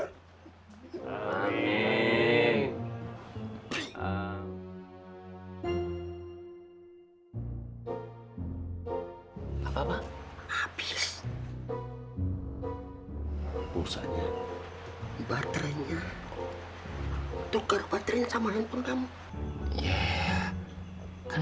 hai apa apa habis usahanya baterainya tukar baterain sama handphone kamu